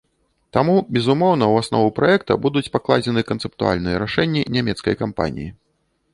Таму, безумоўна, у аснову праекта будуць пакладзены канцэптуальныя рашэнні нямецкай кампаніі.